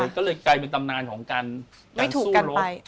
ก็เลยแนตำนานการสู้ลบ